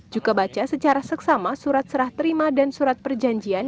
juga baca secara seksama surat serah terima dan surat perjanjian